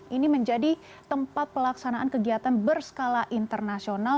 ini menjadi tempat pelaksanaan kegiatan berskala internasional